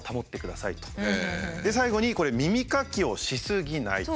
最後に耳かきをしすぎないと。